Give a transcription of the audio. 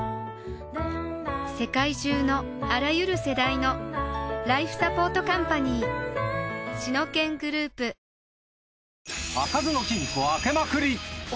世界中のあらゆる世代のライフサポートカンパニーシノケングループデビュー